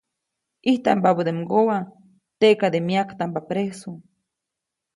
ʼIjtampabäde mgowa, teʼkade myaktamba presu.